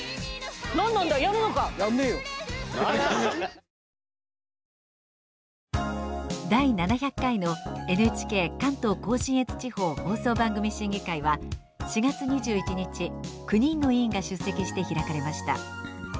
放送中第７００回のＮＨＫ関東甲信越地方放送番組審議会は４月２１日９人の委員が出席して開かれました。